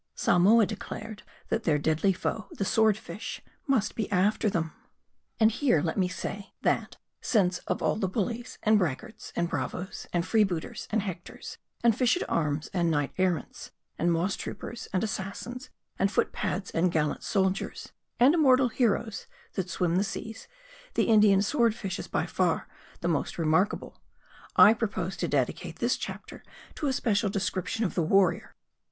Samoa declared, that their deadly foe the Sword fish must be after them. And here let me say, that, since of all the bullies, and braggarts, and bravoes, and free booters, and Hectors, and fish at arms, and knight errants, and moss troopers, and assas sins, and foot pads, and gallant soldiers, and immortal heroes that swim the seas, the Indian Sword fish is by far the most remarkable, I propose to dedicate this chapter to a special description of the warrior.